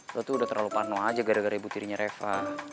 lu tuh udah terlalu pano aja gara gara butirnya reva